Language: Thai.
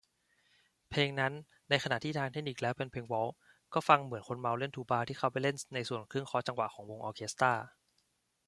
เพลงนั้น ในขณะที่ทางเทคนิคแล้วเป็นเพลงวอลทซ์ ก็ฟังแล้วเหมือนคนเมาเล่นทูบาที่เข้าไปเล่นในส่วนเครื่องเคาะจังหวะของวงออร์เคสตร้า